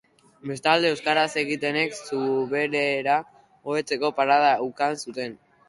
Bestalde, euskaraz zekitenek zuberera hobetzeko parada ukan zuten.